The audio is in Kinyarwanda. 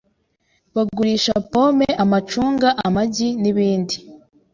Bagurisha pome, amacunga, amagi, nibindi .